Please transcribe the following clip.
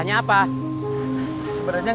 doduk dalam tulang